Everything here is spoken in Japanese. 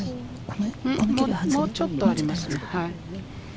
もうちょっとあります。